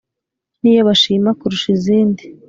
niyo bashima kurusha izindi